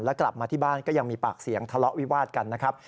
แล้วกลับมาที่บ้านก็ยังมีปากเสียงทะเลาะวิวาดกันนะครับ